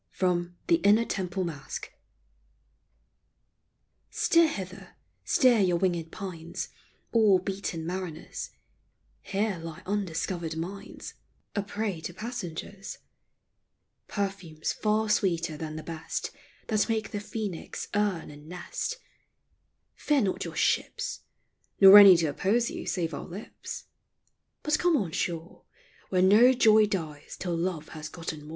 FROM THE " INNER TEMPLE MASQUE." Steer hither, steer your winged pines, All beaten mariners : Here lie undiscovered mines, A prey to passengers ; Perfumes far sweeter than the best That make the phoenix urn and nest: Fear not your ships, Nor any to oppose you save our lips ; But come on shore, Where no joy dies till love has gotten more.